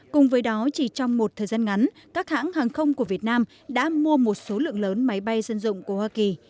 cùng với đó chỉ trong một thời gian ngắn các hãng hàng không của việt nam đã mua một số lượng lớn máy bay dân dụng của hoa kỳ